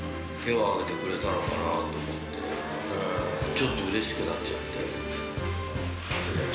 ちょっとうれしくなっちゃって。